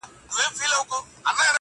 دا ستا ښكلا ته شعر ليكم.